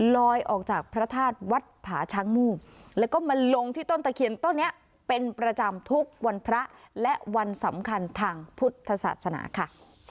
ลอยออกจากพระธาตุวัดผาช้างมูกแล้วก็มาลงที่ต้นตะเคียนต้นนี้เป็นประจำทุกวันพระและวันสำคัญทางพุทธศาสนาค่ะ